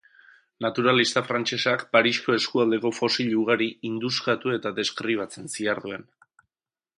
Naturalista frantsesak Parisko eskualdeko fosil ugari induskatu eta deskribatzen ziharduen.